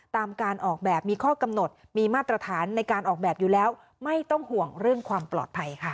ตามการออกแบบมีข้อกำหนดมีมาตรฐานในการออกแบบอยู่แล้วไม่ต้องห่วงเรื่องความปลอดภัยค่ะ